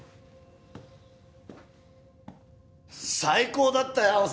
最高だったよ！